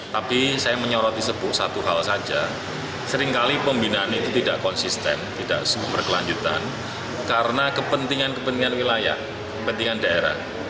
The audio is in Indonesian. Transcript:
tapi saya menyorot disebut satu hal saja seringkali pembinaan itu tidak konsisten tidak berkelanjutan karena kepentingan kepentingan wilayah kepentingan daerah